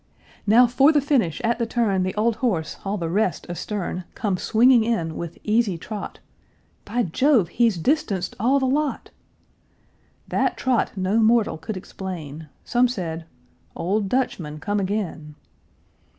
Now for the finish! at the turn, The old horse all the rest astern, Comes swinging in, with easy trot; By Jove! he's distanced all the lot! That trot no mortal could explain; Some said, "Old Dutchman come again!"